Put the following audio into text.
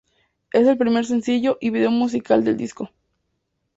Es el primer sencillo y vídeo musical del disco.